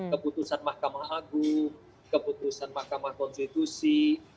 keputusan mahkamah agung keputusan mahkamah konstitusi